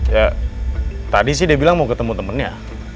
ya tadi sih dia bilang mau ketemu temennya